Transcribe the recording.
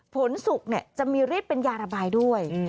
สุกจะมีฤทธิ์เป็นยาระบายด้วย